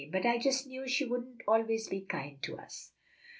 but I just knew she wouldn't always be kind to us."